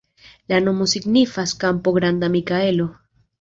La nomo signifas: kampo-granda-Mikaelo.